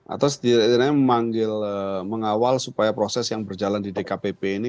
atau setidaknya memanggil mengawal supaya proses yang berjalan di dkpp ini